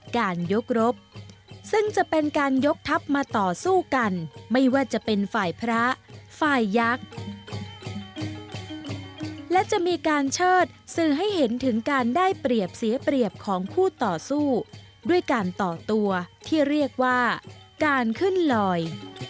การยกรบซึ่งจะเป็นการยกทัพมาต่อสู้กันไม่ว่าจะเป็นฝ่ายพระฝ่ายยักษ์และจะมีการเชิดสื่อให้เห็นถึงการได้เปรียบเสียเปรียบของคู่ต่อสู้ด้วยการต่อตัวที่เรียกว่าการขึ้นลอย